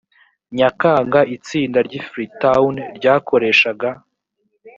nyakanga itsinda ry’i freetown ryakoreshaga